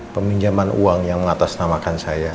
peminjaman uang yang mengatasnamakan saya